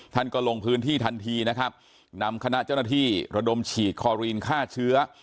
ท่านก็ลงพื้นที่ทันทีนะครับนำคณะเจ้าหน้าที่ระดมฉีดคอรีนฆ่าเชื้อ